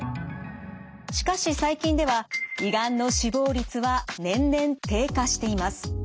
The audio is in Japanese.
しかし最近では胃がんの死亡率は年々低下しています。